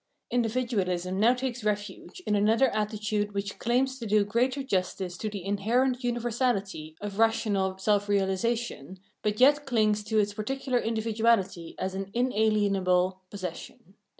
Individualism now takes refuge in another attitude which claims to do greater justice to the inherent universality of rational self realisation, but yet clings to its particular individuality as an inalien able possession.